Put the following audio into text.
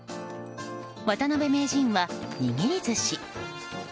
渡辺名人は、握り寿司。